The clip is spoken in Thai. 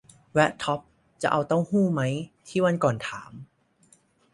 แวะท็อปส์ จะเอาเต้าหู้ไหม ที่วันก่อนถาม